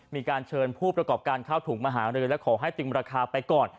มีการเชิญผู้ประกอบการณ์ข้าวถุงมหาอำนาจรกรดูกและคอให้ตึงราคาไปก่อน